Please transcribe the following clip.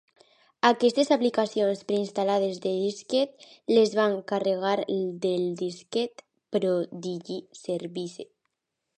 Aquestes aplicacions preinstal·lades de disquet, les van carregar del disquet Prodigy Service.